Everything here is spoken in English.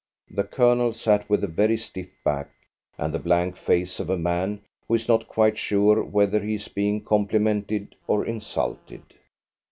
The Colonel sat with a very stiff back and the blank face of a man who is not quite sure whether he is being complimented or insulted.